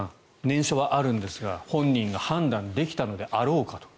念書はあるんですが本人が判断できたのであろうかと。